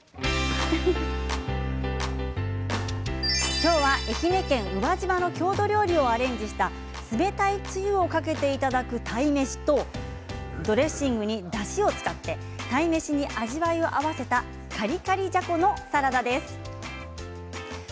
今日は愛媛県宇和島の郷土料理をアレンジした冷たいつゆをかけていただく鯛めしとドレッシングにだしを使って鯛めしに味わいを合わせたカリカリじゃこのサラダです。